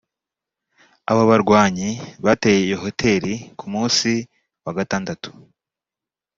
Abo barwanyi bateye iyo hoteri ku musi wa gatandatu